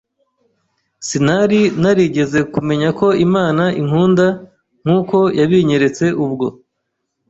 Sinari narigeze kumenya ko Imana inkunda nk’uko yabinyeretse ubwo.